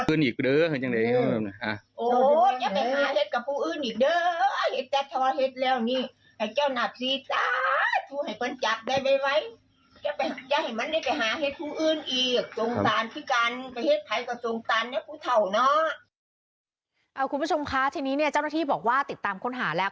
คุณผู้ชมคะทีนี้เนี่ยเจ้าหน้าที่บอกว่าติดตามค้นหาแล้ว